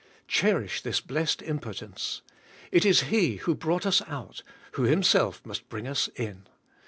Cherish this blessed impotence. It is He who brought us out, who Himself must bring us in.